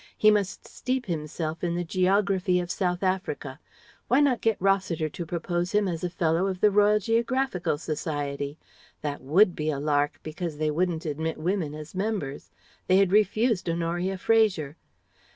He must steep himself in the geography of South Africa Why not get Rossiter to propose him as a fellow of the Royal Geographical Society? That would be a lark because they wouldn't admit women as members: they had refused Honoria Fraser.